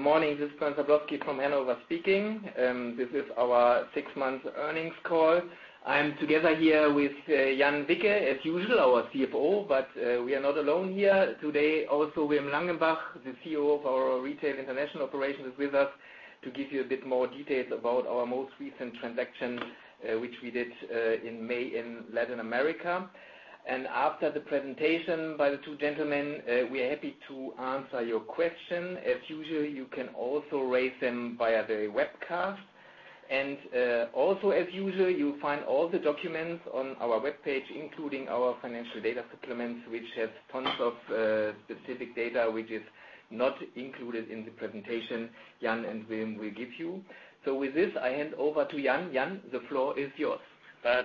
Good morning, this is Bernd Sablowsky from Hannover speaking. This is our six month earnings call. I am together here with Jan Wicke, as usual, our CFO. We are not alone here. Today, also, Wilm Langenbach, the CEO of our Retail International Operations, is with us to give you a bit more details about our most recent transaction, which we did in May, in Latin America. After the presentation by the two gentlemen, we are happy to answer your question. As usual, you can also raise them via the webcast. Also, as usual, you'll find all the documents on our webpage, including our financial data supplements, which has tons of specific data, which is not included in the presentation Jan and Wilm will give you. With this, I hand over to Jan. Jan, the floor is yours.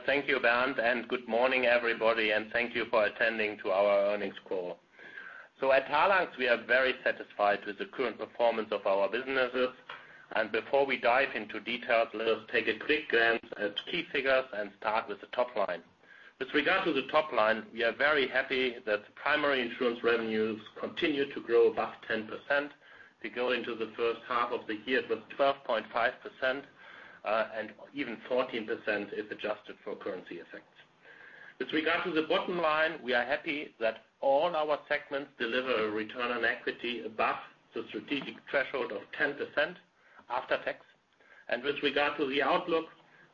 Thank you, Bernd, and good morning, everybody, and thank you for attending to our earnings call. At Talanx, we are very satisfied with the current performance of our businesses. Before we dive into details, let us take a quick glance at key figures and start with the top line. With regard to the top line, we are very happy that primary insurance revenue continued to grow above 10%. We go into the first half of the year with 12.5%, and even 14% if adjusted for currency effects. With regard to the bottom line, we are happy that all our segments deliver a return on equity above the strategic threshold of 10% after tax. With regard to the outlook,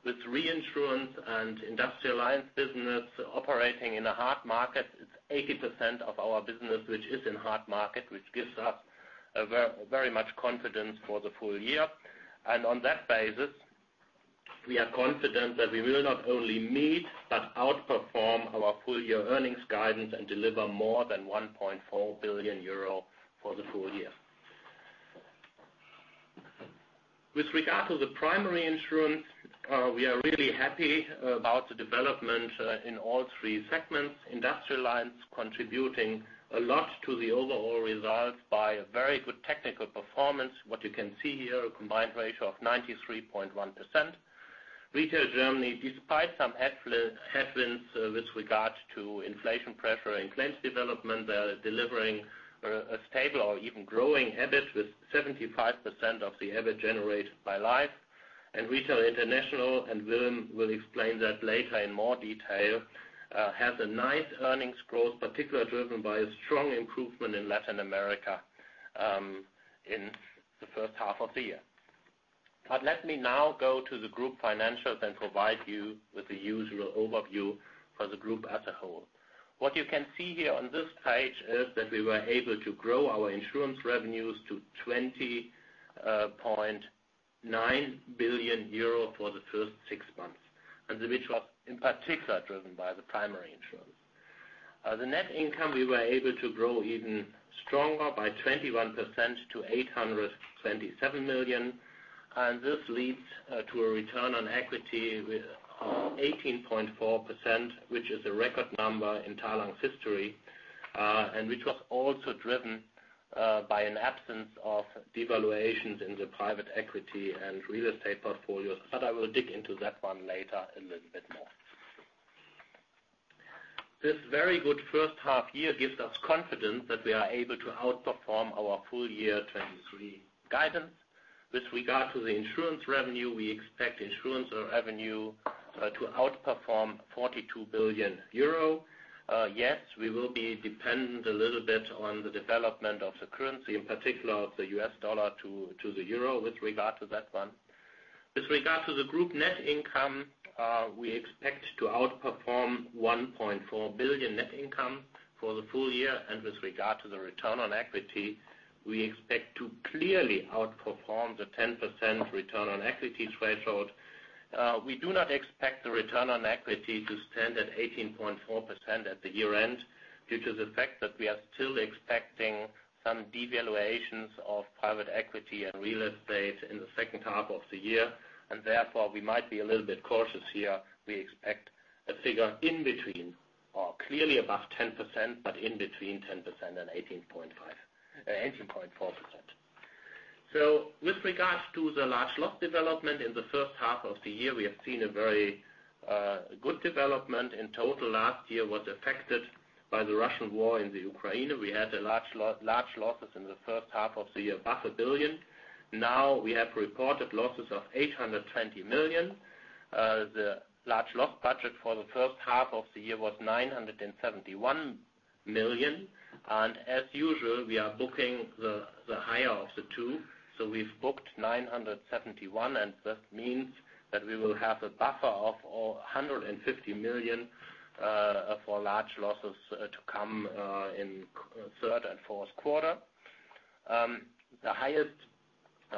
with reinsurance and Industrial Lines business operating in a hard market, it's 80% of our business, which is in hard market, which gives us very much confidence for the full year. On that basis, we are confident that we will not only meet, but outperform our full-year earnings guidance and deliver more than 1.4 billion euro for the full year. With regard to the primary insurance, we are really happy about the development in all three segments. Industrial Lines contributing a lot to the overall results by a very good technical performance. What you can see here, a combined ratio of 93.1%. Retail Germany, despite some headwinds with regard to inflation pressure and claims development, they are delivering a stable or even growing EBIT with 75% of the EBIT generated by Life. Retail International, and Wilm will explain that later in more detail, has a nice earnings growth, particularly driven by a strong improvement in Latin America in the first half of the year. Let me now go to the group financials and provide you with the usual overview for the group as a whole. What you can see here on this page is that we were able to grow our insurance revenue to 20.9 billion euro for the first six months, and which was in particular, driven by the primary insurance. The net income, we were able to grow even stronger by 21% to 827 million, and this leads to a return on equity with 18.4%, which is a record number in Talanx history, and which was also driven by an absence of devaluations in the private equity and real estate portfolios. I will dig into that one later a little bit more. This very good first half year gives us confidence that we are able to outperform our full year 2023 guidance. With regard to the insurance revenue, we expect insurance revenue to outperform 42 billion euro. Yes, we will be dependent a little bit on the development of the currency, in particular, of the U.S. dollar to the euro with regard to that one. With regard to the group net income, we expect to outperform 1.4 billion net income for the full year. With regard to the return on equity, we expect to clearly outperform the 10% return on equity threshold. We do not expect the return on equity to stand at 18.4% at the year-end, due to the fact that we are still expecting some devaluations of private equity and real estate in the second half of the year, and therefore, we might be a little bit cautious here. We expect a figure in between or clearly above 10%, but in between 10% and 18.4%. With regards to the large loss development, in the first half of the year, we have seen a very good development. In total, last year was affected by the Russian war in the Ukraine. We had large losses in the first half of the year, above 1 billion. Now, we have reported losses of 820 million. The large loss budget for the first half of the year was 971 million, and as usual, we are booking the higher of the two. We've booked 971 million, and this means that we will have a buffer of 150 million for large losses to come in third and fourth quarter. The highest,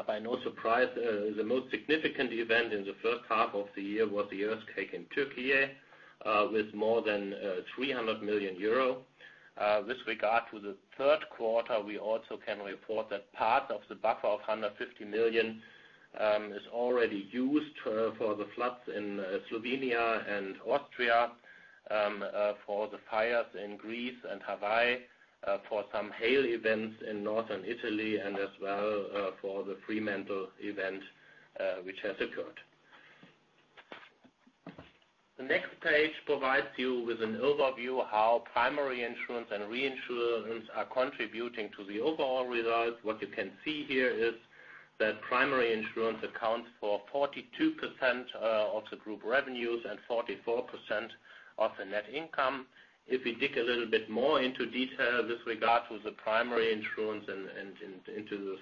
by no surprise, the most significant event in the first half of the year was the earthquake in Türkiye, with more than 300 million euro. With regard to the third quarter, we also can report that part of the buffer of 150 million is already used for the floods in Slovenia and Austria, for the fires in Greece and Hawaii, for some hail events in Northern Italy and as well for the Fremantle event, which has occurred. The next page provides you with an overview how primary insurance and reinsurance are contributing to the overall results. What you can see here is that primary insurance accounts for 42% of the group revenues and 44% of the net income. If we dig a little bit more into detail with regard to the primary insurance and into the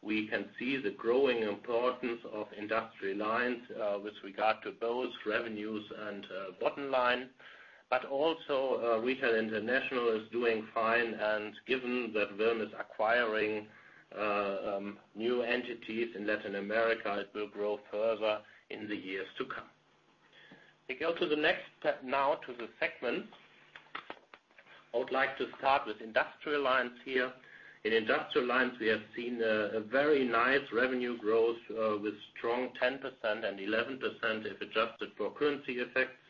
segments, we can see the growing importance of Industrial Lines with regard to both revenues and bottom line. Also, Retail International is doing fine, and given that Wilm is acquiring new entities in Latin America, it will grow further in the years to come. We go to the next step now, to the segments. I would like to start with Industrial Lines here. In Industrial Lines, we have seen a very nice revenue growth with strong 10% and 11% if adjusted for currency effects,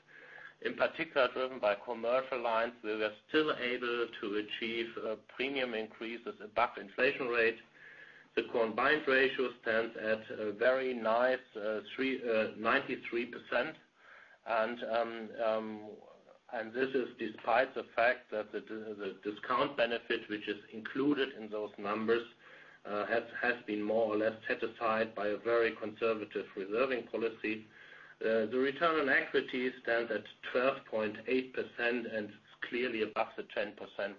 in particular, driven by commercial lines, where we are still able to achieve premium increases above inflation rate. The combined ratio stands at a very nice 93%. This is despite the fact that the discount benefit, which is included in those numbers, has been more or less set aside by a very conservative reserving policy. The return on equity stands at 12.8% and is clearly above the 10%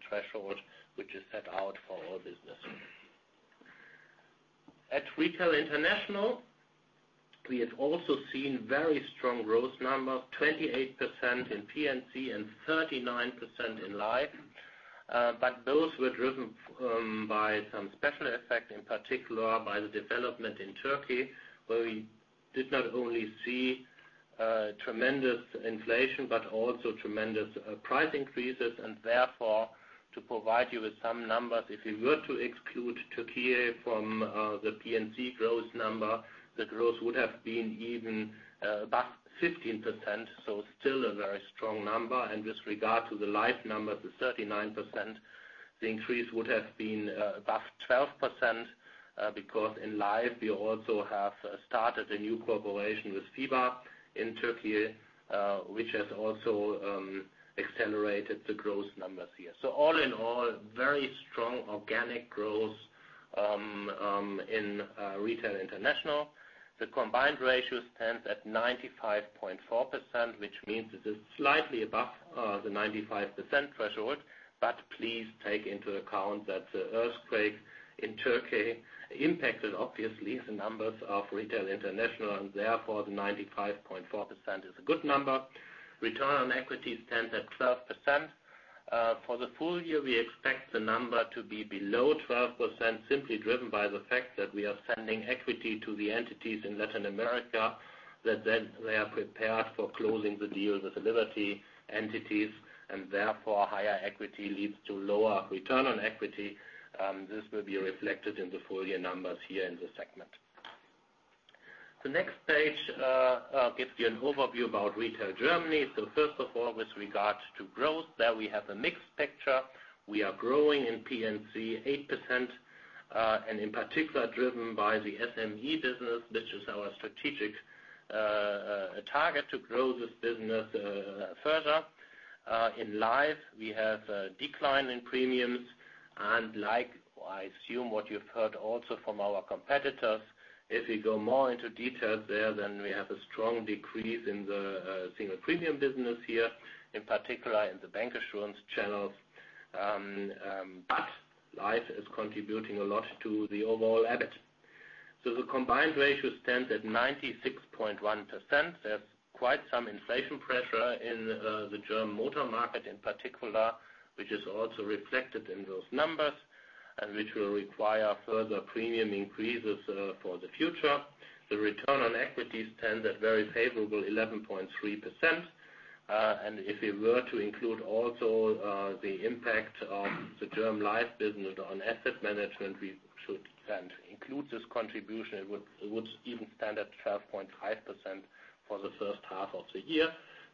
threshold, which is set out for our business. At Retail International, we have also seen very strong growth numbers, 28% in P&C and 39% in Life. Those were driven by some special effects, in particular by the development in Turkey, where we did not only see tremendous inflation, but also tremendous price increases. Therefore, to provide you with some numbers, if you were to exclude Türkiye from the P&C growth number, the growth would have been even above 15%, so still a very strong number. With regard to the Life number, the 39%, the increase would have been above 12%, because in Life, we also have started a new cooperation with FIBA in Türkiye, which has also accelerated the growth numbers here. All in all, very strong organic growth in Retail International. The combined ratio stands at 95.4%, which means it is slightly above the 95% threshold. Please take into account that the earthquake in Turkey impacted, obviously, the numbers of Retail International, and therefore, the 95.4% is a good number. Return on equity stands at 12%. For the full year, we expect the number to be below 12%, simply driven by the fact that we are sending equity to the entities in Latin America, that then they are prepared for closing the deal with the Liberty entities, and therefore, higher equity leads to lower return on equity. This will be reflected in the full year numbers here in this segment. The next page gives you an overview about Retail Germany. First of all, with regard to growth, there we have a mixed picture. We are growing in P&C 8%, and in particular, driven by the SME business, which is our strategic target to grow this business further. In Life, we have a decline in premiums, like I assume what you've heard also from our competitors, if we go more into detail there, then we have a strong decrease in the single premium business here, in particular in the bank insurance channels. Life is contributing a lot to the overall EBIT. The combined ratio stands at 96.1%. There's quite some inflation pressure in the German motor market in particular, which is also reflected in those numbers, and which will require further premium increases for the future. The return on equity stands at very favorable 11.3%. If we were to include also the impact of the German Life business on asset management, we should then include this contribution. It would, it would even stand at 12.5% for the first half of the year.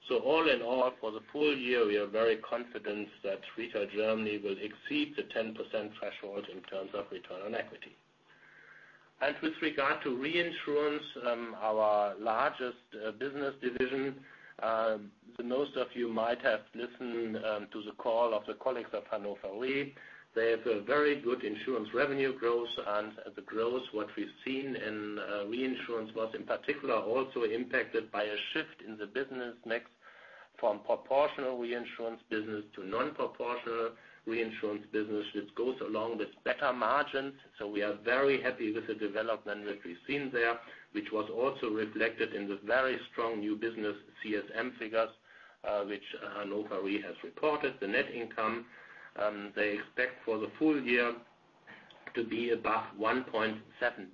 All in all, for the full year, we are very confident that Retail Germany will exceed the 10% threshold in terms of return on equity. With regard to reinsurance, our largest business division, most of you might have listened to the call of the colleagues of Hannover Re. They have a very good insurance revenue growth, and the growth, what we've seen in reinsurance was, in particular, also impacted by a shift in the business mix from proportional reinsurance business to non-proportional reinsurance business, which goes along with better margins. We are very happy with the development that we've seen there, which was also reflected in the very strong new business CSM figures, which Hannover Re has reported. The net income they expect for the full year to be above 1.7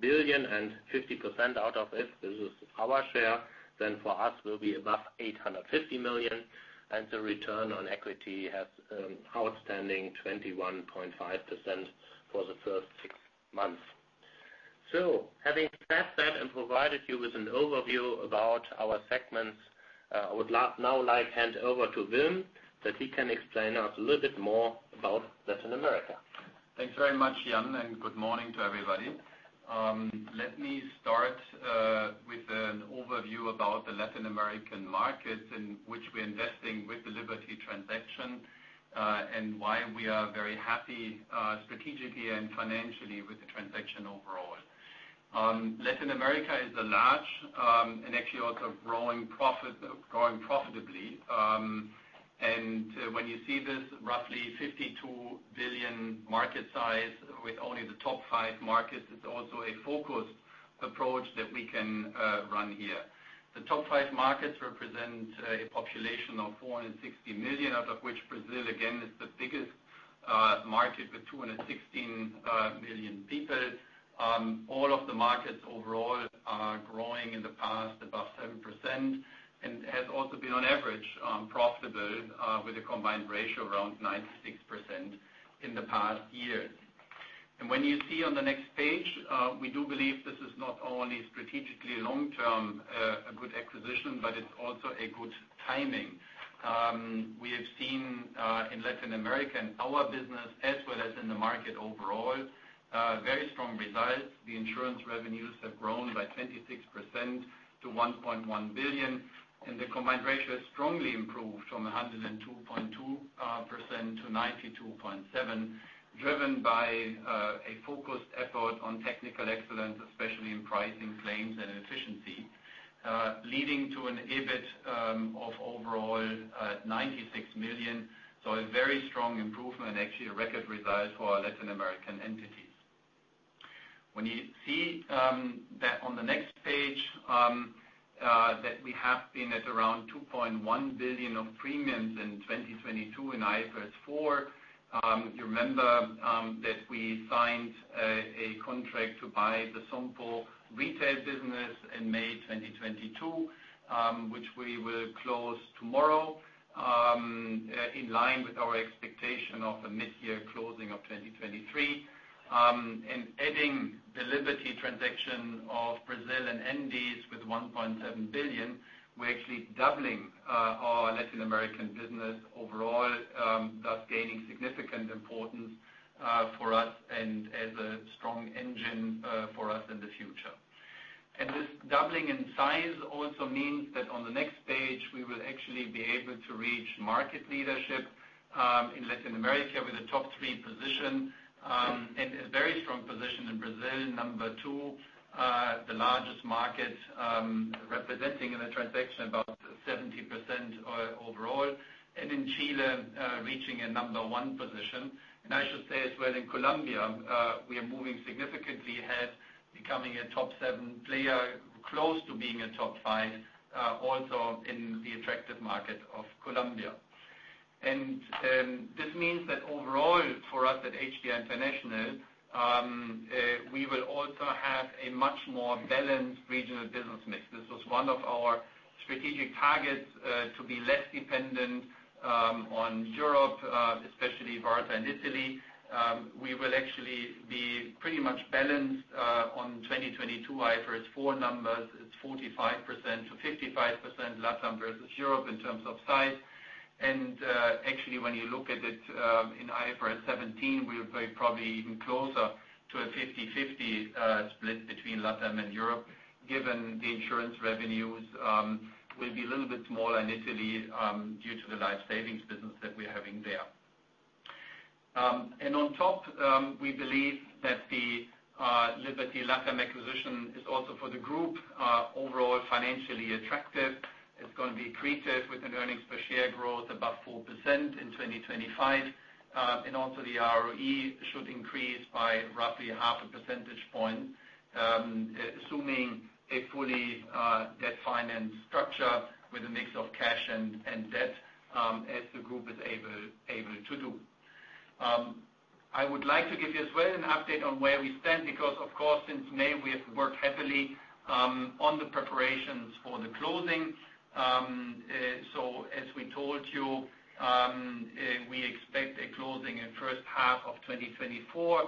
billion. 50% out of it, this is our share, then for us, will be above 850 million. The return on equity has outstanding 21.5% for the first six months. Having said that and provided you with an overview about our segments, I would like, now like hand over to Wilm, that he can explain us a little bit more about Latin America. Thanks very much, Jan, good morning to everybody. Let me start with an overview about the Latin American market, in which we're investing with the Liberty transaction, and why we are very happy strategically and financially with the transaction overall. Latin America is a large, and actually also growing profit, growing profitably. When you see this roughly $52 billion market size with only the top five markets, it's also a focused approach that we can run here. The top five markets represent a population of 460 million, out of which Brazil, again, is the biggest market with 216 million people. All of the markets overall are growing in the past, above 7%, and has also been on average profitable, with a combined ratio around 96% in the past years. When you see on the next page, we do believe this is not only strategically long-term a good acquisition, but it's also a good timing. We have seen in Latin America, in our business, as well as in the market overall, very strong results. The insurance revenue have grown by 26% to 1.1 billion, and the combined ratio has strongly improved from 102.2% to 92.7%, driven by a focused effort on technical excellence, especially in pricing, claims, and efficiency, leading to an EBIT of overall 96 million. A very strong improvement, actually, a record result for our Latin American entities. When you see that on the next page, that we have been at around 2.1 billion of premiums in 2022 in IFRS 4, you remember that we signed a contract to buy the Sompo retail business in May 2022, which we will close tomorrow, in line with our expectation of a mid-year closing of 2023. Adding the Liberty transaction of Brazil and Andes with 1.7 billion, we're actually doubling our Latin American business overall, thus gaining significant importance for us and as a strong engine for us in the future. This doubling in size also means that on the next page, we will actually be able to reach market leadership in Latin America with a top three position, and a very strong position in Brazil, number two the largest market, representing in the transaction about 70% overall, and in Chile, reaching a number one position. I should say as well, in Colombia, we are moving significantly ahead, becoming a top seven player, close to being a top five, also in the attractive market of Colombia. This means that overall, for us at HDI International, we will also have a much more balanced regional business mix. This was one of our strategic targets, to be less dependent on Europe, especially Varta and Italy. We will actually be pretty much balanced on 2022 IFRS 4 numbers. It's 45%-55%, LatAm versus Europe, in terms of size. Actually, when you look at it, in IFRS 17, we are very probably even closer to a 50/50 split between LatAm and Europe, given the insurance revenue will be a little bit smaller in Italy due to the life savings business that we're having there. On top, we believe that the Liberty LatAm acquisition is also for the group overall financially attractive. It's going to be accretive with an earnings per share growth above 4% in 2025, and also the ROE should increase by roughly half percentage point, assuming a fully debt finance structure with a mix of cash and, and debt, as the group is able, able to do. I would like to give you as well, an update on where we stand, because, of course, since May, we have worked heavily on the preparations for the closing. So as we told you, we expect a closing in first half of 2024.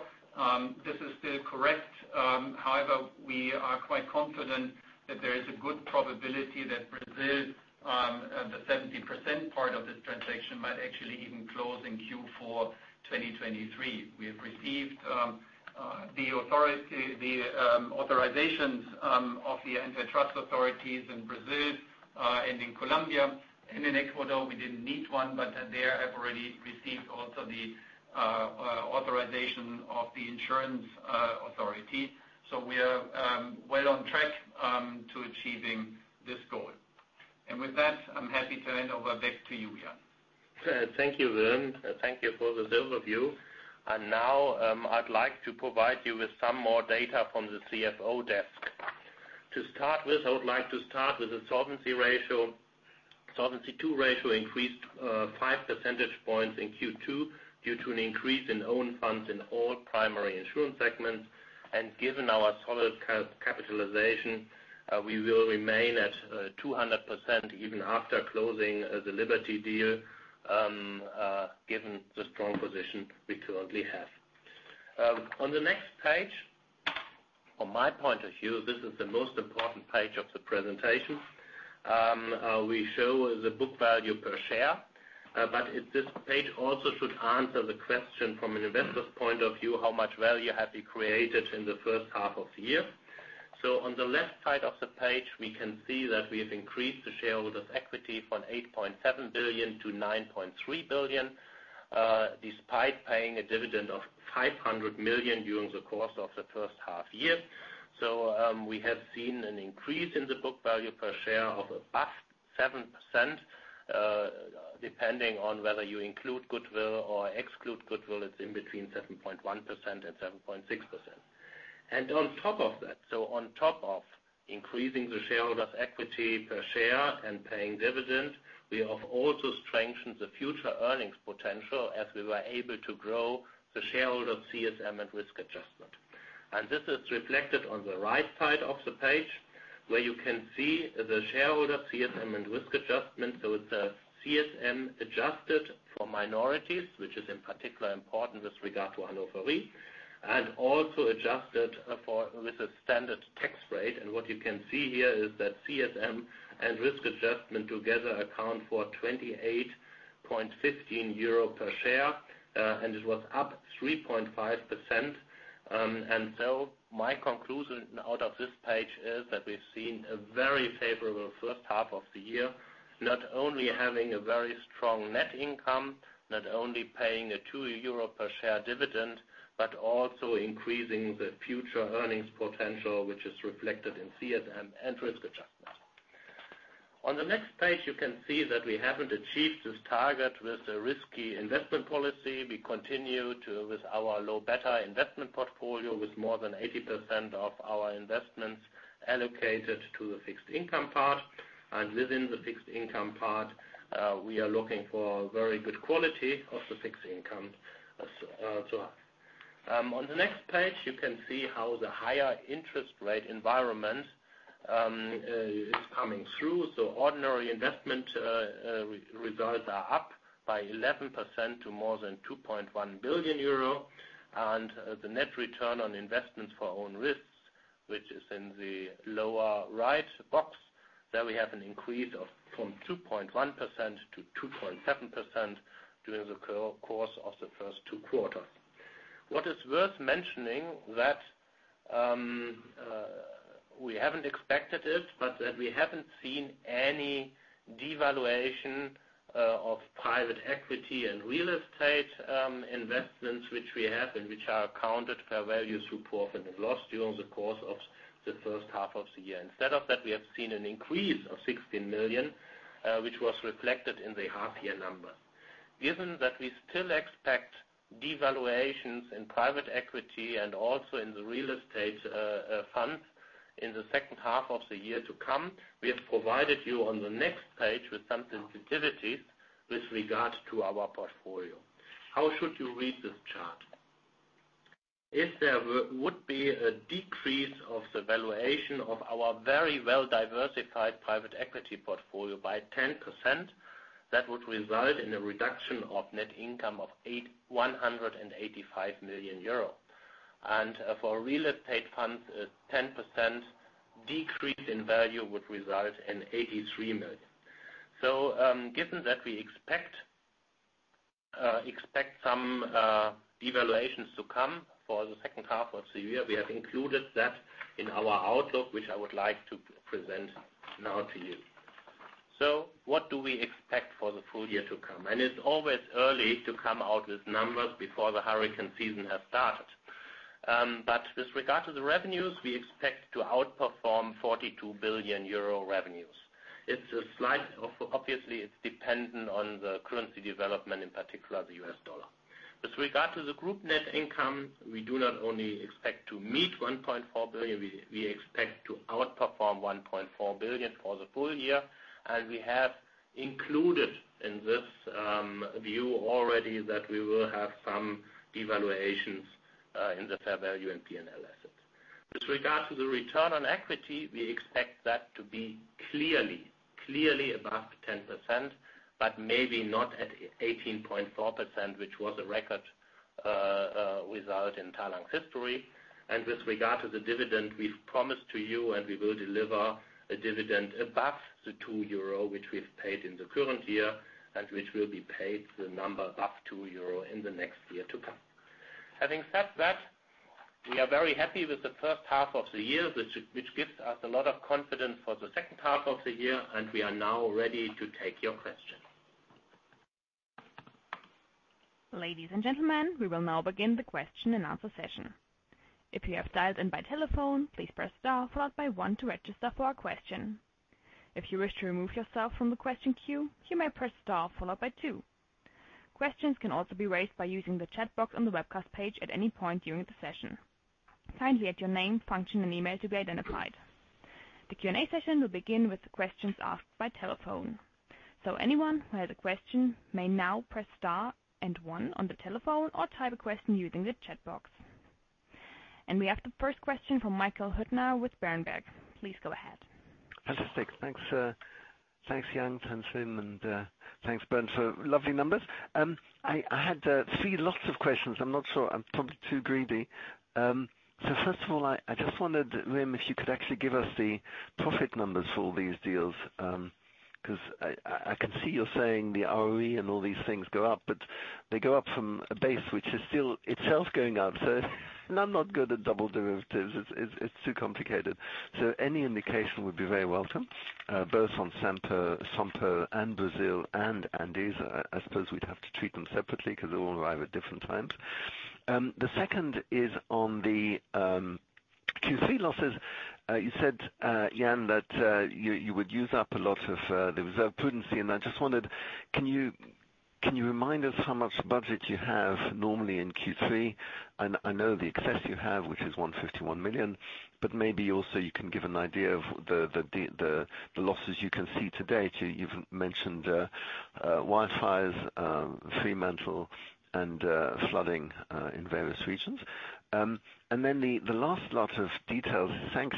This is still correct. However, we are quite confident that there is a good probability that Brazil, the 70% part of this transaction, might actually even close in Q4 2023. We have received the authority, the authorizations, of the antitrust authorities in Brazil, and in Colombia, and in Ecuador, we didn't need one, but there I've already received also the authorization of the insurance authority. We are well on track to achieving this goal. With that, I'm happy to hand over back to you, Jan. Thank you, Wilm. Thank you for this overview. Now, I'd like to provide you with some more data from the CFO desk. To start with, I would like to start with the solvency ratio. Solvency II ratio increased 5 percentage points in Q2, due to an increase in own funds in all primary insurance segments. Given our solid capitalization, we will remain at 200% even after closing the Liberty deal, given the strong position we currently have. From my point of view, this is the most important page of the presentation. We show the book value per share, this page also should answer the question from an investor's point of view, how much value have we created in the first half of the year? On the left side of the page, we can see that we have increased the shareholder's equity from 8.7 billion to 9.3 billion, despite paying a dividend of 500 million during the course of the first half year. We have seen an increase in the book value per share of above 7%, depending on whether you include goodwill or exclude goodwill, it's in between 7.1% and 7.6%. On top of that, on top of increasing the shareholder's equity per share and paying dividends, we have also strengthened the future earnings potential as we were able to grow the shareholder CSM and risk adjustment. This is reflected on the right side of the page, where you can see the shareholder CSM and risk adjustment. The CSM adjusted for minorities, which is in particular important with regard to Hannover Re, and also adjusted for with a standard tax rate. What you can see here is that CSM and risk adjustment together account for 28.15 euro per share, and it was up 3.5%. My conclusion out of this page is that we've seen a very favorable first half of the year. Not only having a very strong net income, not only paying a 2 euro per share dividend, but also increasing the future earnings potential, which is reflected in CSM and risk adjustment. On the next page, you can see that we haven't achieved this target with a risky investment policy. We continue with our low beta investment portfolio, with more than 80% of our investments allocated to the fixed income part. Within the fixed income part, we are looking for very good quality of the fixed income, so on. On the next page, you can see how the higher interest rate environment is coming through. Ordinary investment results are up by 11% to more than 2.1 billion euro. The net return on investments for own risks, which is in the lower right box, there we have an increase of from 2.1% to 2.7% during the course of the first two quarters. What is worth mentioning that we haven't expected it, but that we haven't seen any devaluation of private equity and real estate investments, which we have, and which are accounted fair value through profit or loss during the course of the first half of the year. Instead of that, we have seen an increase of 16 million, which was reflected in the half year number. Given that we still expect devaluations in private equity and also in the real estate funds in the second half of the year to come, we have provided you on the next page with some sensitivities with regard to our portfolio. How should you read this chart? If there would be a decrease of the valuation of our very well-diversified private equity portfolio by 10%, that would result in a reduction of net income of 185 million euro. For real estate funds, a 10% decrease in value would result in 83 million. Given that we expect expect some devaluations to come for the second half of the year, we have included that in our outlook, which I would like to present now to you. What do we expect for the full year to come? It's always early to come out with numbers before the hurricane season has started. With regard to the revenues, we expect to outperform 42 billion euro revenues. It's a slight, obviously, it's dependent on the currency development, in particular, the U.S. dollar. With regard to the group net income, we do not only expect to meet 1.4 billion, we, we expect to outperform 1.4 billion for the full year. We have included in this view already that we will have some devaluations in the fair value and P&L assets. With regard to the return on equity, we expect that to be clearly, clearly above 10%, but maybe not at 18.4%, which was a record result in Talanx history. With regard to the dividend, we've promised to you, and we will deliver a dividend above the 2 euro, which we've paid in the current year, and which will be paid the number above 2 euro in the next year to come. Having said that, we are very happy with the first half of the year, which, which gives us a lot of confidence for the second half of the year, and we are now ready to take your questions. Ladies and gentlemen, we will now begin the question and answer session. If you have dialed in by telephone, please press star followed by one to register for a question. If you wish to remove yourself from the question queue, you may press star followed by two. Questions can also be raised by using the chat box on the webcast page at any point during the session. Kindly add your name, function, and email to be identified. The Q&A session will begin with the questions asked by telephone. Anyone who has a question may now press star and 1 on the telephone, or type a question using the chat box. We have the first question from Michael Huttner with Berenberg. Please go ahead. Fantastic. Thanks, Jan, thanks Wilm, and thanks, Bernd, for lovely numbers. I had three lots of questions. I'm not sure, I'm probably too greedy. First of all, I just wondered, Wim, if you could actually give us the profit numbers for these deals? Because I can see you're saying the ROE and all these things go up, but they go up from a base, which is still itself going up. And I'm not good at double derivatives. It's too complicated. Any indication would be very welcome, both on Sompo and Brazil and Andes. I suppose we'd have to treat them separately, because they all arrive at different times. The second is on the Q3 losses. You said, Jan, that you, you would use up a lot of the reserve prudency. I just wondered, can you, can you remind us how much budget you have normally in Q3? I know the excess you have, which is 151 million, but maybe also you can give an idea of the losses you can see to date. You, you've mentioned wildfires, Fremantle and flooding in various regions. Then the, the last lot of details, thanks,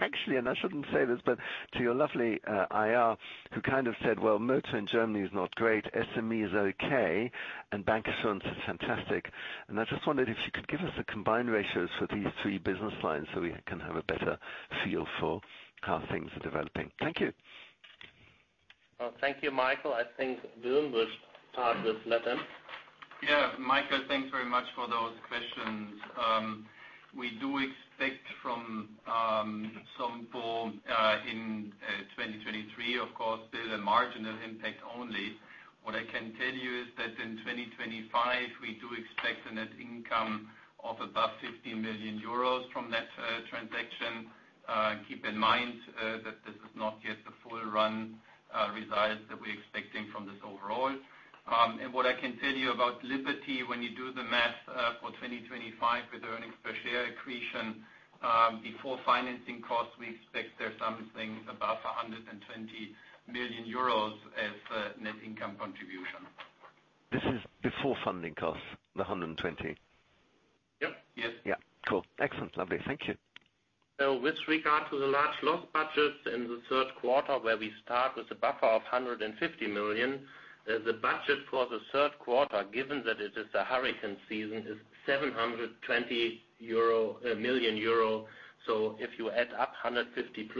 actually, and I shouldn't say this, but to your lovely IR, who kind of said, "Well, motor in Germany is not great, SME is okay, and bancassurance is fantastic." I just wondered if you could give us the combined ratios for these three business lines, so we can have a better feel for how things are developing. Thank you. Well, thank you, Michael. I think Wilm will start with Liberty. Yeah, Michael, thanks very much for those questions. We do expect from some form in 2023, of course, still a marginal impact only. What I can tell you is that in 2025, we do expect a net income of above 50 million euros from that transaction. Keep in mind that this is not yet the full run results that we're expecting from this overall. What I can tell you about Liberty, when you do the math for 2025, with earnings per share accretion, before financing costs, we expect there's something above 120 million euros as a net income contribution. This is before funding costs, the 120? Yep. Yes. Yeah. Cool. Excellent. Lovely. Thank you. With regard to the large loss budgets in the third quarter, where we start with a buffer of 150 million, the budget for the third quarter, given that it is a hurricane season, is 720 million euro. If you add up 150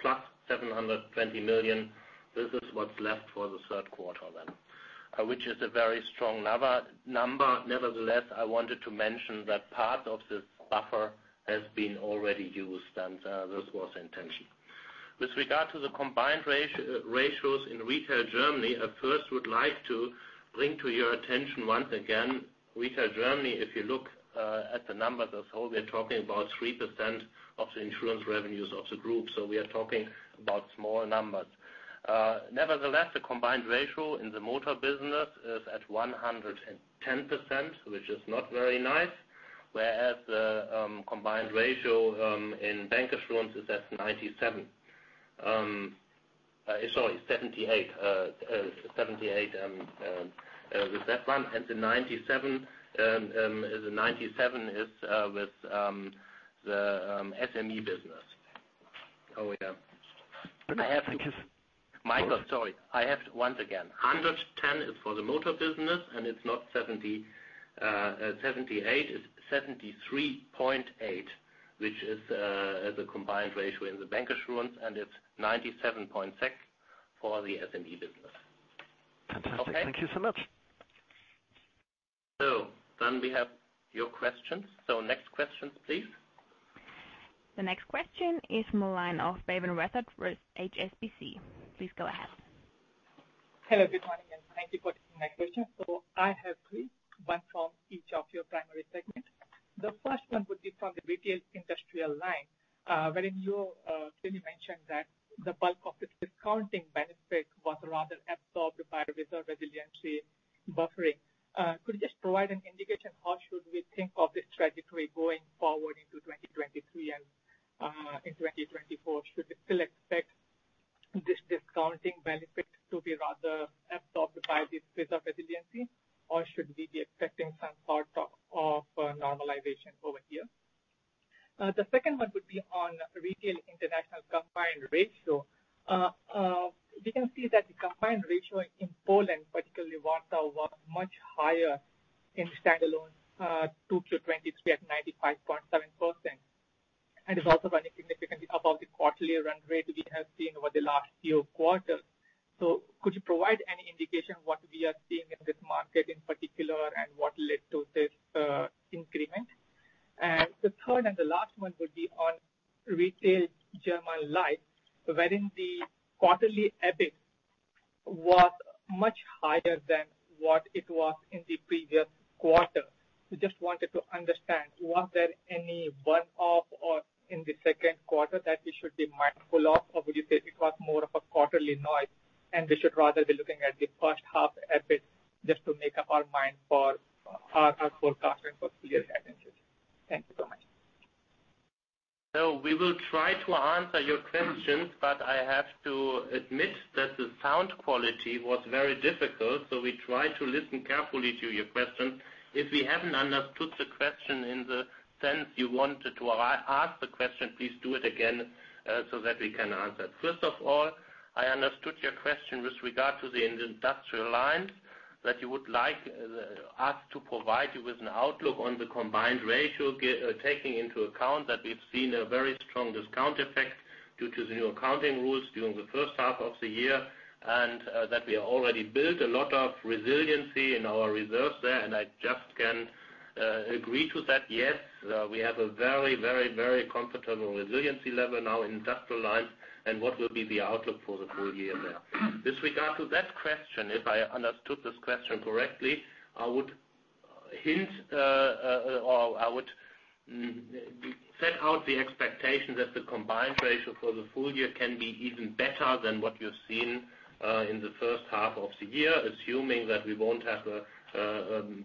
plus 720 million, this is what's left for the third quarter then, which is a very strong number. Nevertheless, I wanted to mention that part of this buffer has been already used, and this was the intention. With regard to the combined ratios in Retail Germany, I first would like to bring to your attention once again, Retail Germany, if you look at the numbers as whole, we are talking about 3% of the insurance revenue of the group. We are talking about small numbers. Nevertheless, the combined ratio in the motor business is at 110%, which is not very nice. Whereas the combined ratio in bancassurance is at 97, sorry, 78, 78 with that one, and the 97, the 97 is with the SME business. Oh, yeah. I have- Michael, sorry. I have once again, 110 is for the motor business. It's not 70, 78. It's 73.8, which is the combined ratio in the bancassurance. It's 97.6 for the SME business. Fantastic. {crostalk} Okay? Thank you so much. Then we have your questions. Next questions, please. The next question is from the line of Bhavin Rathod with HSBC. Please go ahead. Hello, good morning, thank you for taking my question. I have three, one from each of your primary segments. The first one would be from the Retail Industrial Lines, wherein you clearly mentioned that the bulk of the discounting benefit was rather absorbed by reserve resiliency buffering. Could you just provide an indication, how should we think of this trajectory going forward into 2023 and in 2024? Should we still expect this discounting benefit to be rather absorbed by this reserve resiliency, or should we be expecting some sort of normalization over here? The second one would be on Retail International combined ratio. We can see that the combined ratio in Poland, particularly Warta, was much higher in standalone 2023 at due to the new accounting rules during the first half of the year, and that we have already built a lot of resiliency in our reserves there. I just can agree to that, yes, we have a very, very, very comfortable resiliency level now in Industrial Lines, and what will be the outlook for the full year there. With regard to that question, if I understood this question correctly, I would hint, or I would set out the expectation that the combined ratio for the full year can be even better than what you've seen in the first half of the year, assuming that we won't have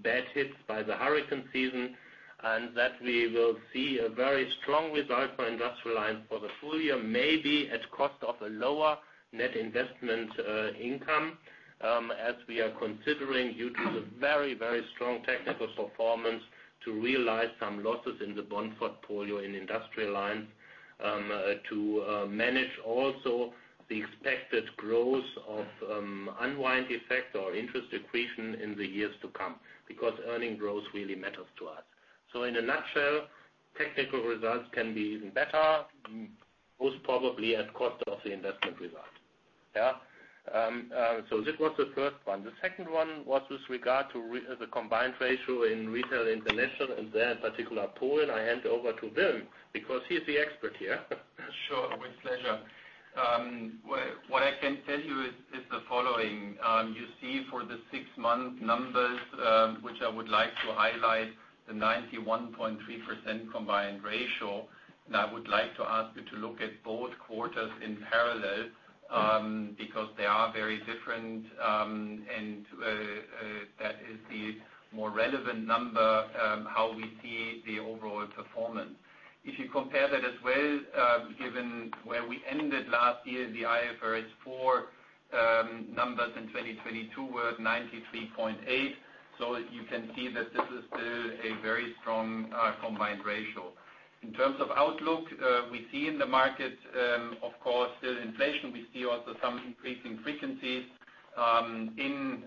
bad hits by the hurricane season, and that we will see a very strong result for Industrial Lines for the full year, maybe at cost of a lower net investment income. As we are considering, due to the very, very strong technical performance, to realize some losses in the bond portfolio in Industrial Lines, to manage also the expected growth of unwinding effect or interest accretion in the years to come, because earning growth really matters to us. In a nutshell, technical results can be even better, most probably at cost of the investment result. Yeah? This was the first one. The second one was with regard to the combined ratio in Retail International, and there, in particular, Poland. I hand over to Wim, because he is the expert here. Sure. With pleasure. Well, what I can tell you is, is the following. You see for the six-month numbers, which I would like to highlight, the 91.3% combined ratio. I would like to ask you to look at both quarters in parallel, because they are very different, and that is the more relevant number, how we see the overall performance. If you compare that as well, given where we ended last year, the IFRS 4 numbers in 2022 were 93.8%. You can see that this is a very strong combined ratio. In terms of outlook, we see in the market, of course, still inflation. We see also some increasing frequencies, in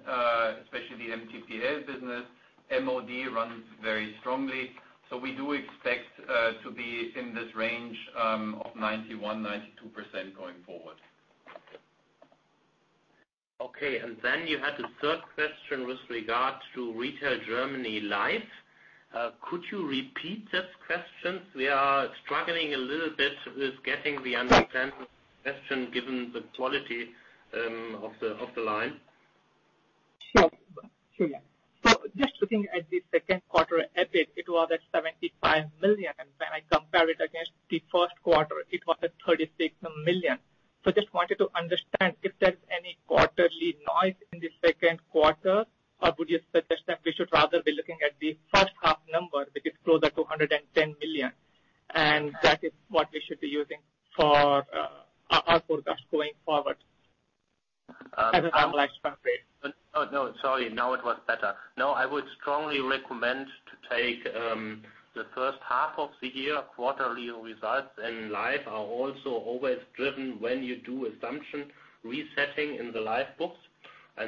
especially the MGTS business. MOD runs very strongly, so we do expect to be in this range of 91%-92% going forward. You had a third question with regard to Retail Germany Life. Could you repeat this question? We are struggling a little bit with getting the understanding of the question, given the quality of the, of the line. Sure. Sure, yeah. Just looking at the second quarter, EBIT, it was at 75 million, and when I compare it against the first quarter, it was at 36 million. Just wanted to understand if there's any quarterly noise in the second quarter, or would you suggest that we should rather be looking at the first half number, which is closer to 110 million, and that is what we should be using for, our, our forecast going forward, as an annualized rate? Sorry, now it was better. I would strongly recommend to take the first half of the year. Quarterly results in Life are also always driven when you do assumption resetting in the Life books.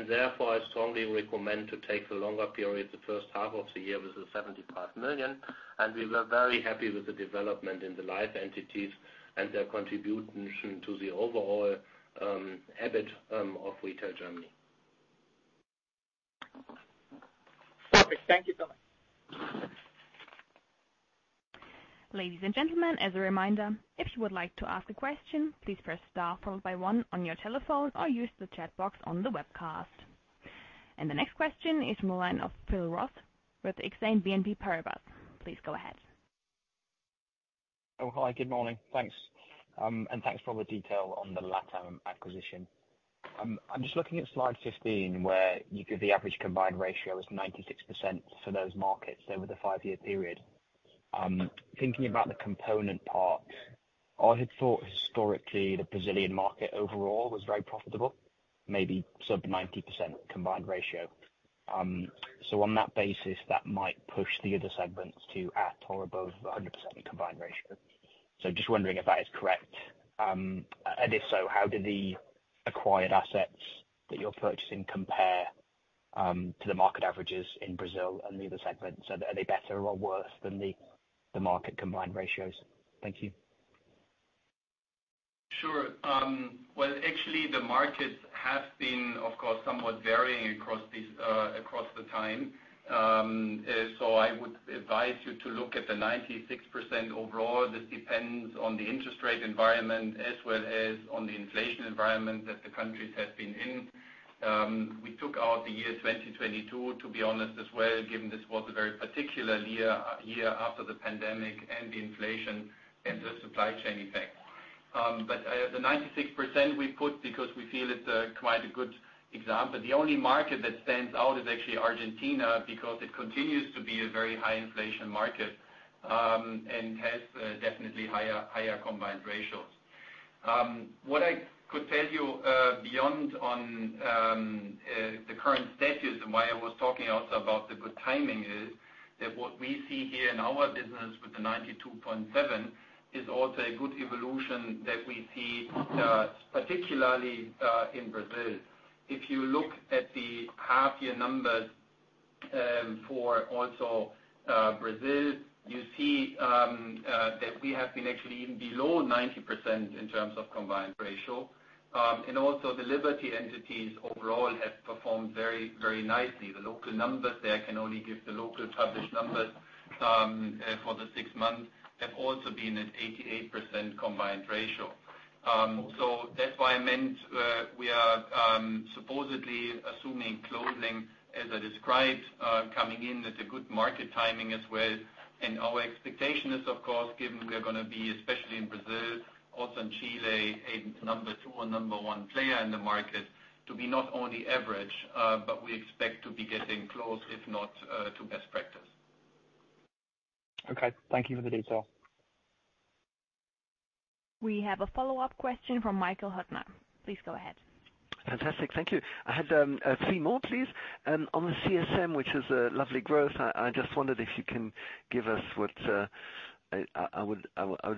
Therefore, I strongly recommend to take a longer period, the first half of the year with the 75 million. We were very happy with the development in the Life entities and their contribution to the overall EBIT of Retail Germany. Perfect. Thank you so much. Ladies and gentlemen, as a reminder, if you would like to ask a question, please press star followed by one on your telephone or use the chat box on the webcast. The next question is from the line of Phil Ross with Exane BNP Paribas. Please go ahead. Oh, hi, good morning. Thanks. Thanks for all the detail on the LatAm acquisition. I'm just looking at slide 15, where you give the average combined ratio as 96% for those markets over the five-year period. Thinking about the component part, I had thought historically, the Brazilian market overall was very profitable, maybe sub 90% combined ratio. On that basis, that might push the other segments to at or above a 100% combined ratio. Just wondering if that is correct. If so, how do the acquired assets that you're purchasing compare to the market averages in Brazil and the other segments? Are they better or worse than the market combined ratios? Thank you. Sure. Well, actually, the markets have been, of course, somewhat varying across these, across the time. I would advise you to look at the 96% overall. This depends on the interest rate environment as well as on the inflation environment that the countries have been in. We took out the year 2022, to be honest, as well, given this was a very particular year, year after the pandemic and the inflation and the supply chain effect. The 96% we put because we feel it's quite a good example. The only market that stands out is actually Argentina, because it continues to be a very high inflation market, and has definitely higher, higher combined ratios. What I could tell you, beyond on, the current status and why I was talking also about the good timing is that what we see here in our business with the 92.7 is also a good evolution that we see, particularly, in Brazil. If you look at the half year numbers, for also, Brazil, you see, that we have been actually even below 90% in terms of combined ratio. Also the Liberty entities overall have performed very, very nicely. The local numbers there, I can only give the local published numbers, for the six months, have also been at 88% combined ratio. That's why I meant, we are, supposedly assuming closing, as I described, coming in, it's a good market timing as well. Our expectation is, of course, given we are going to be, especially in Brazil, also in Chile, a number two or number one player in the market, to be not only average, but we expect to be getting close, if not, to best practice. Okay, thank you for the detail. We have a follow-up question from Michael Huttner. Please go ahead. Fantastic. Thank you. I had three more, please. On the CSM, which is a lovely growth, I, I just wondered if you can give us what I, I would, I would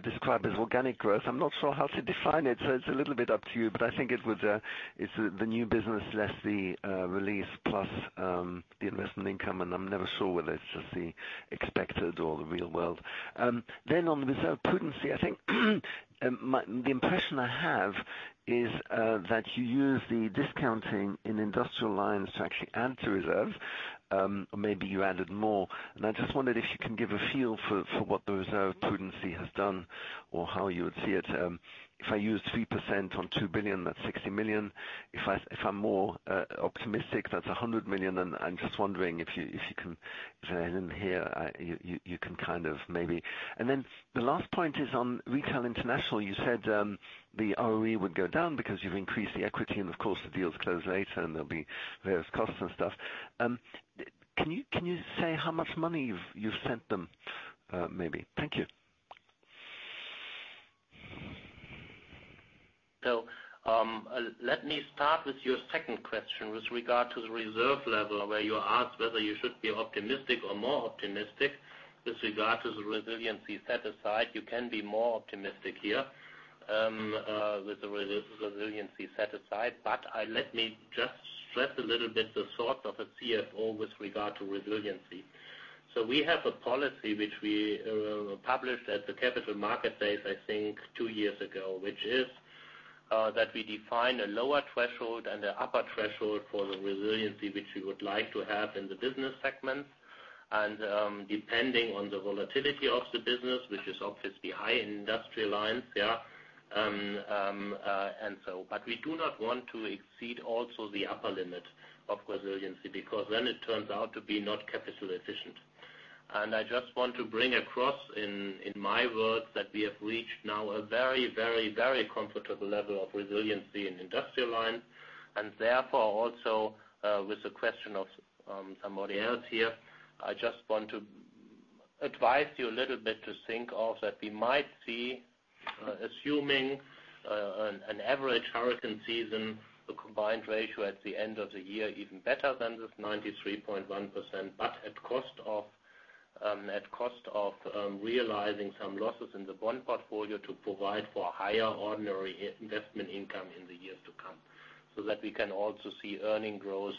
describe as organic growth. I'm not sure how to define it, so it's a little bit up to you, but I think it would, it's the new business less the release, plus the investment income, and I'm never sure whether it's just the expected or the real world. Then on the reserve prudency, I think, the impression I have is that you use the discounting in Industrial Lines to actually add to reserve, or maybe you added more. I just wondered if you can give a feel for what the reserve prudency has done or how you would see it. If I use 3% on 2 billion, that's 60 million. If I, if I'm more optimistic, that's 100 million, and I'm just wondering if you can, if I didn't hear, you can kind of maybe. The last point is on Retail International. You said, the ROE would go down because you've increased the equity, and of course, the deals close later, and there'll be various costs and stuff. Can you say how much money you've sent them, maybe? Thank you. Let me start with your second question with regard to the reserve level, where you asked whether you should be optimistic or more optimistic with regard to the resiliency set aside. You can be more optimistic here, with the resiliency set aside. Let me just stress a little bit the thought of a CFO with regard to resiliency. We have a policy which we published at the Capital Markets Day, I think two years ago, which is that we define a lower threshold and an upper threshold for the resiliency, which we would like to have in the business segments. Depending on the volatility of the business, which is obviously high in Industrial Lines, yeah, and so, but we do not want to exceed also the upper limit of resiliency, because then it turns out to be not capital efficient. I just want to bring across in, in my words, that we have reached now a very, very, very comfortable level of resiliency in Industrial Lines, and therefore, also, with the question of somebody else here, I just want to advise you a little bit to think of that we might see, assuming an average hurricane season, the combined ratio at the end of the year, even better than this 93.1%, but at cost of of realizing some losses in the bond portfolio to provide for higher ordinary investment income in the years to come, so that we can also see earning growth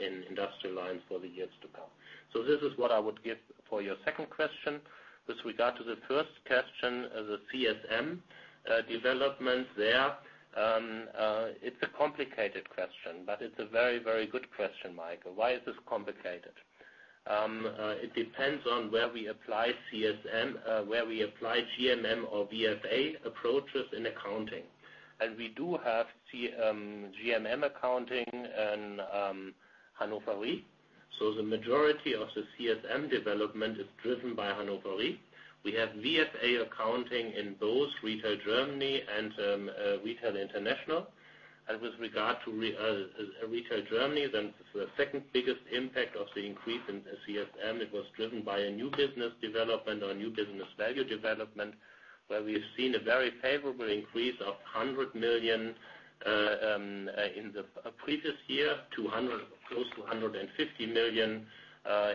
in Industrial Lines for the years to come. This is what I would give for your second question. With regard to the first question, the CSM development there, it's a complicated question, but it's a very, very good question, Michael. Why is this complicated? It depends on where we apply CSM, where we apply GMM or VFA approaches in accounting. We do have GMM accounting in Hannover Re. The majority of the CSM development is driven by Hannover Re. We have VFA accounting in both Retail Germany and Retail International. With regard to Retail Germany, then the second biggest impact of the increase in CSM, it was driven by a new business development or new business value development, where we've seen a very favorable increase of 100 million in the previous year, to 100, close to 150 million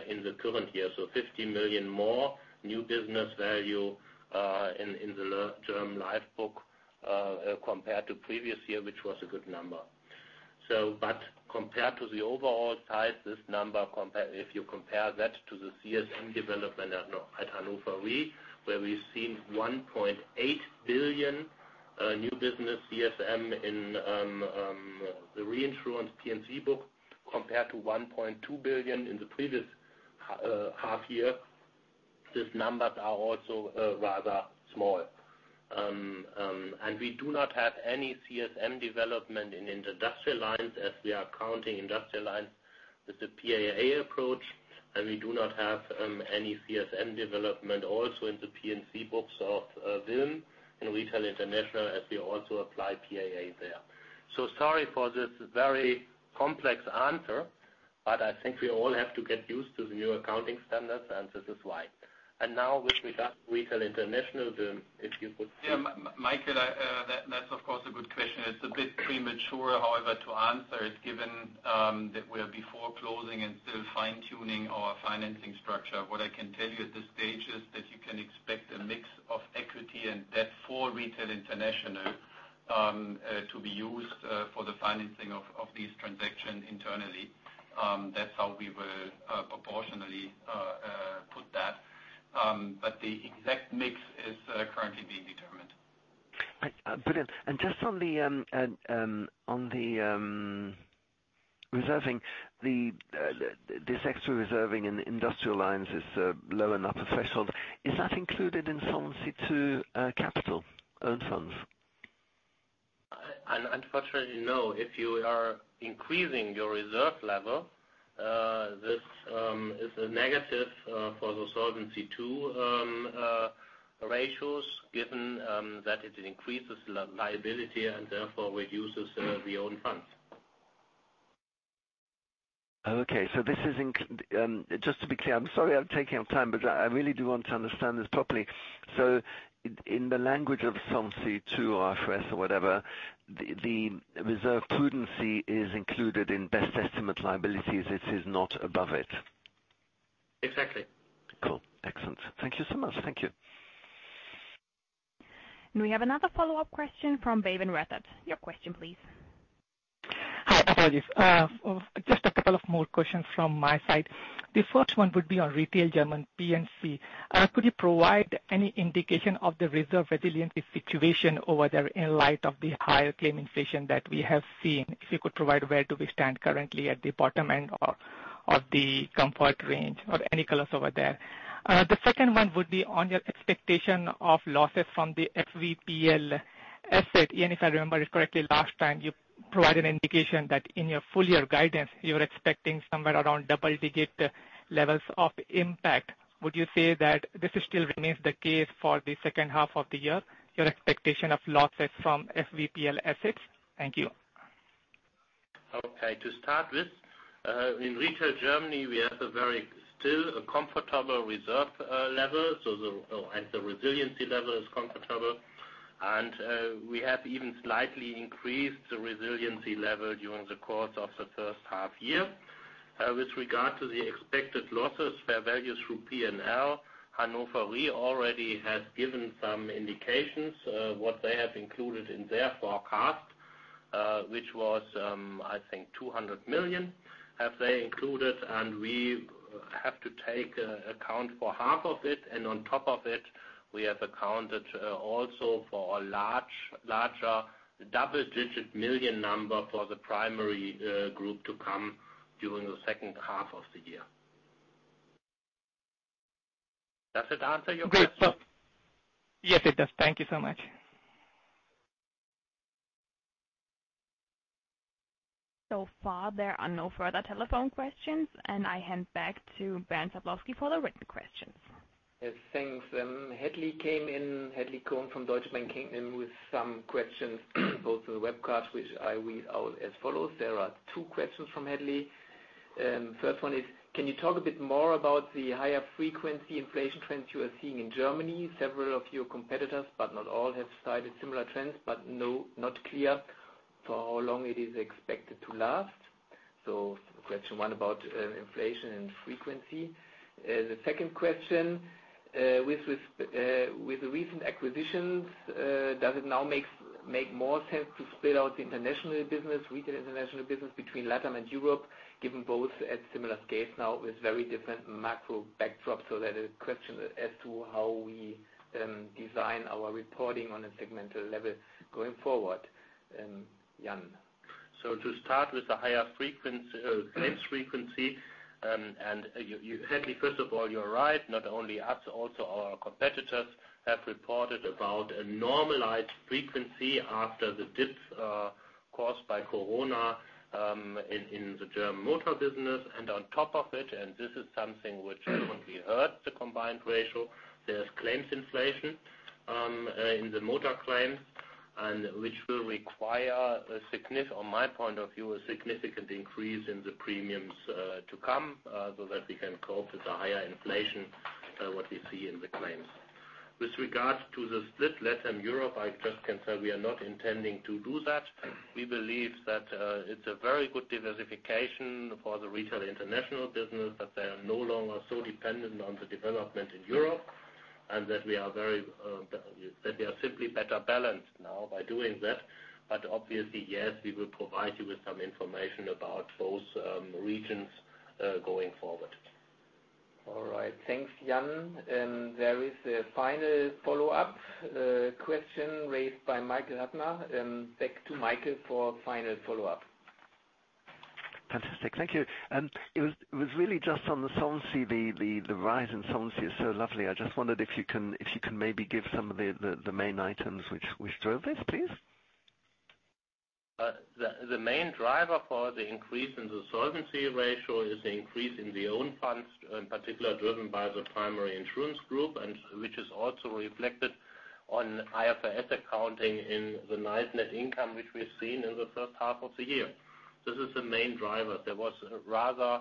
in the current year. 50 million more new business value in the long-term life book compared to previous year, which was a good number. Compared to the overall size, this number if you compare that to the CSM development at Hannover Re, where we've seen 1.8 billion new business CSM in the reinsurance P&C book, compared to 1.2 billion in the previous half year, these numbers are also rather small. And we do not have any CSM development in the Industrial Lines, as we are counting Industrial Lines with the PAA approach, and we do not have any CSM development also in the P&C books of VIM and Retail International, as we also apply PAA there. Sorry for this very complex answer, but I think we all have to get used to the new accounting standards, and this is why. Now with regard to Retail International, then if you could Yeah, Michael, that's of course, a good question. It's a bit premature, however, to answer it, given, that we're before closing and still fine-tuning our financing structure. What I can tell you at this stage is that you can expect a mix of equity and debt for Retail International, to be used for the financing of this transaction internally. That's how we will proportionally put that. The exact mix is currently being determined. Brilliant. Just on the, on the, reserving the, this extra reserving in Industrial Lines is, lower and upper threshold. Is that included in Solvency II, capital Own funds? Unfortunately, no. If you are increasing your reserve level, this is a negative for the Solvency II ratios, given that it increases liability and therefore reduces the Own funds. This is just to be clear, I'm sorry, I'm taking up time, but I really do want to understand this properly. In the language of Solvency II or IFRS or whatever, the, the reserve prudency is included in best estimate liabilities, it is not above it? Exactly. Cool. Excellent. Thank you so much. Thank you. We have another follow-up question from Bhavin Rathod. Your question, please. Hi, apologies. Just a couple of more questions from my side. The first one would be on Retail Germany P&C. Could you provide any indication of the reserve resiliency situation over there in light of the higher claim inflation that we have seen? If you could provide where do we stand currently at the bottom end or of the comfort range, or any colors over there? The second one would be on your expectation of losses from the FVPL asset. Jan, if I remember correctly, last time you provided an indication that in your full year guidance, you were expecting somewhere around double digit levels of impact. Would you say that this still remains the case for the second half of the year, your expectation of losses from FVPL assets? Thank you. Okay, to start with, in Retail Germany, we have a very still, a comfortable reserve level, and the resiliency level is comfortable. We have even slightly increased the resiliency level during the course of the first half year. With regard to the expected losses, fair values through PNL, Hannover Re already has given some indications what they have included in their forecast, which was, I think 200 million, have they included, and we have to take account for half of it. On top of it, we have accounted also for a large, larger EUR double-digit million number for the primary group to come during the second half of the year. Does it answer your question? Good. Yes, it does. Thank you so much. So far, there are no further telephone questions. I hand back to Bernd Sablowsky for the written questions. Yes, thanks. Hedley came in, Hedley Cohen from Deutsche Bank, came in with some questions, posted on the webcast, which I read out as follows: There are two questions from Hedley. First one is, can you talk a bit more about the higher frequency inflation trends you are seeing in Germany? Several of your competitors, but not all, have cited similar trends, but not clear for how long it is expected to last. Question one about inflation and frequency. The second question, with, with the recent acquisitions, does it now make more sense to split out the international business, Retail International business, between LatAm and Europe, given both at similar scale now with very different macro backdrops? That is a question as to how we design our reporting on a segmental level going forward. Jan? To start with the higher claims frequency, and you, you, Hedley, first of all, you're right. Not only us, also our competitors have reported about a normalized frequency after the dip, caused by corona, in the German motor business. On top of it, and this is something which can be heard, the combined ratio, there's claims inflation, in the motor claims, and which will require, on my point of view, a significant increase in the premiums to come so that we can cope with the higher inflation what we see in the claims. With regards to the split, LatAm/Europe, I just can say we are not intending to do that. We believe that, it's a very good diversification for the Retail International business, that they are no longer so dependent on the development in Europe, and that we are very, that we are simply better balanced now by doing that. Obviously, yes, we will provide you with some information about those regions going forward. All right. Thanks, Jan. There is a final follow-up question raised by Michael Huttner. Back to Michael for final follow-up. Fantastic. Thank you. It was, it was really just on the Solvency, the rise in Solvency, so lovely. I just wondered if you can, if you can maybe give some of the main items which, which drove this, please? The main driver for the increase in the solvency ratio is the increase in the own funds, in particular, driven by the primary insurance group, and which is also reflected on IFRS accounting in the nice net income, which we've seen in the first half of the year. This is the main driver. There was rather,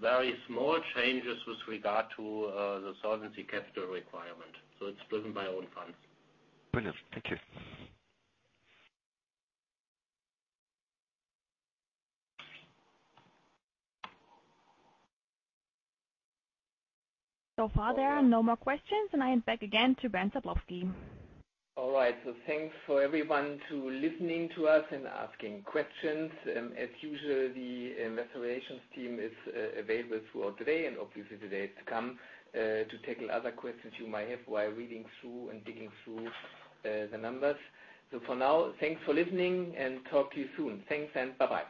very small changes with regard to, the Solvency Capital Requirement, so it's driven by own funds. Brilliant. Thank you. Far, there are no more questions, and I hand back again to Bernd Sablowsky. All right, thanks for everyone to listening to us and asking questions. As usual, the investor relations team is available throughout today, and obviously the days to come, to take other questions you might have while reading through and digging through the numbers. For now, thanks for listening and talk to you soon. Thanks, and bye-bye.